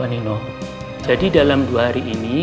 dan ingat ya pak nino jadi dalam dua hari ini